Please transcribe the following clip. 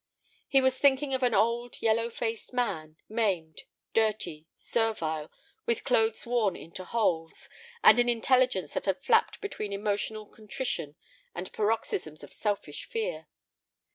He was thinking of an old, yellow faced man, maimed, dirty, servile, with clothes worn into holes, and an intelligence that had flapped between emotional contrition and paroxysms of selfish fear.